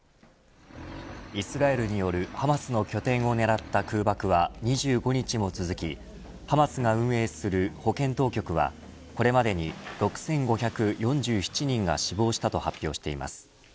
イスラエルによるハマスの拠点を狙った空爆は２５日も続きハマスが運営する保健当局はこれまでに６５４７人が死亡したと発表しています。